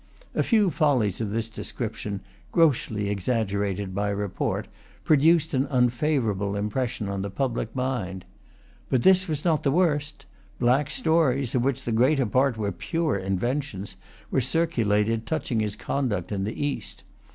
A few follies of this description, grossly exaggerated by report, produced an unfavourable impression on the public mind. But this was not the worst. Black stories, of which the greater part were pure inventions, were circulated touching his conduct in the East.